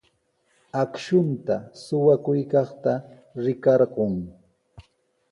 Akshunta suqakuykaqta rikarqun.